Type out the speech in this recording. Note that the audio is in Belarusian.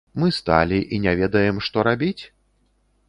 Мы сталі і не ведаем, што рабіць?